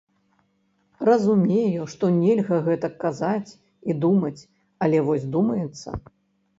Разумею, што нельга гэтак казаць і думаць, але вось думаецца.